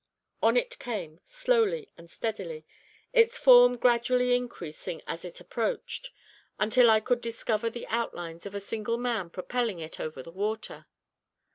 On it came, slowly and steadily, its form gradually increasing as it approached, until I could discover the outlines of a single man propelling it over the water.